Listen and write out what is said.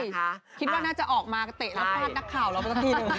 ใช่คิดว่าน่าจะออกมาเตะแล้วพัดดักข่าวแล้วลงไปนี่หนึ่ง